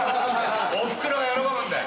おふくろが喜ぶんだよ。